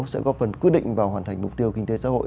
sẽ góp phần quyết định vào hoàn thành mục tiêu kinh tế xã hội